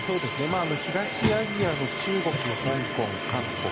東アジアの中国、香港、韓国